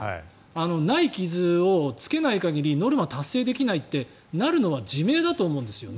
ない傷をつけない限りノルマ、達成できないってなるのは自明だと思うんですね。